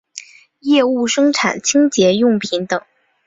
业务生产清洁用品等。